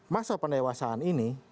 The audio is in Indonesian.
masa pendewasaan ini